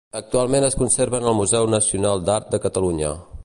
Actualment es conserva en el Museu Nacional d'Art de Catalunya.